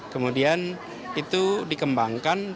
kemudian itu dikembangkan programnya